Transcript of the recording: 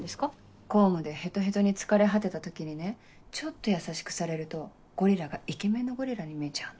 公務でヘトヘトに疲れ果てた時にねちょっと優しくされるとゴリラがイケメンのゴリラに見えちゃうの。